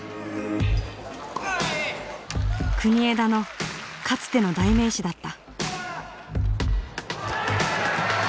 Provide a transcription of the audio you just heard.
国枝のかつての代名詞だった。